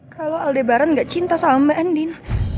kalau aldebaran gak cinta sama mbak andin